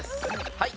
はい。